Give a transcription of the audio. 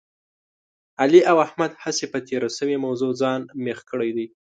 علي او احمد هسې په تېره شوې موضوع ځان مېخ کړی دی.